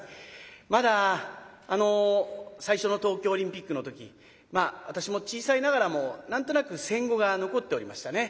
まだ最初の東京オリンピックの時私も小さいながらも何となく戦後が残っておりましたね。